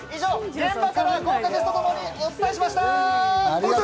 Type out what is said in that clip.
以上、現場から豪華ゲストとともにお伝えしました。